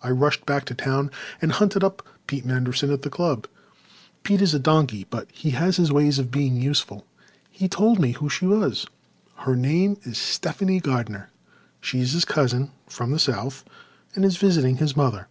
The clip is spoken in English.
I rushed back to town and hunted up Pete Manderson at the club. Pete is a donkey but he has his ways of being useful. He told me who she was. Her name is Stephanie Gardiner; she is his cousin from the south and is visiting his mother.